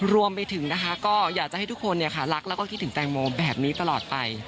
รวมไปถึงนะคะก็อยากจะให้ทุกคนรักแล้วก็คิดถึงแตงโมแบบนี้ตลอดไป